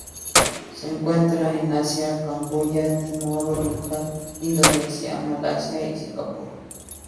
Se encuentran en Asia: Camboya, Timor Oriental, Indonesia, Malasia y Singapur.